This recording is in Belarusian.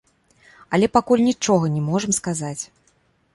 Але пакуль нічога не можам сказаць.